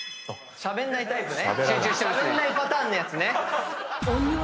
しゃべんないパターンのやつね。